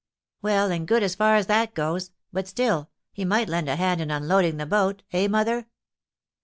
"Well and good as far as that goes; but still, he might lend a hand in unloading the boat, eh, mother?